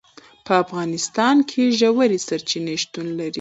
په افغانستان کې ژورې سرچینې شتون لري.